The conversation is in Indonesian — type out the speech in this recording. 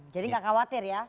jadi gak khawatir ya